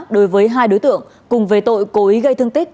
đối với hai đối tượng cùng về tội cố ý gây thương tích